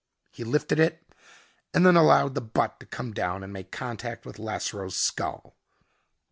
He lifted it and then allowed the butt to come down and make contact with Lasseroe's skull.